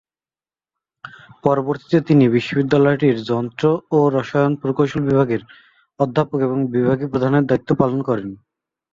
পরবর্তীতে তিনি বিশ্ববিদ্যালয়টির যন্ত্র ও রসায়ন প্রকৌশল বিভাগের অধ্যাপক এবং বিভাগীয় প্রধানের দায়িত্ব পালন করেন।